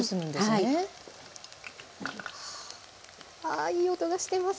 ああいい音がしています。